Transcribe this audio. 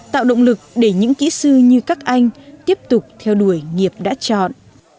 tạo động lực để những kỹ sư như các anh tiếp tục theo đuổi nghiệp đã chọn